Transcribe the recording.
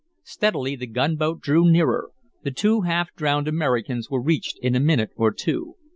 Steadily the gunboat drew nearer; the two half drowned Americans were reached in a minute or two.